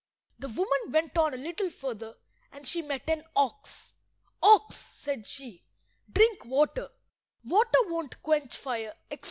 The woman went on a little further, and she met an ox. "Ox," said she, "drink water. Water won't quench fire," etc.